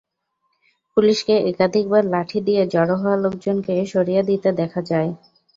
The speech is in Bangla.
পুলিশকে একাধিকবার লাঠি দিয়ে জড়ো হওয়া লোকজনকে সরিয়ে দিতে দেখা যায়।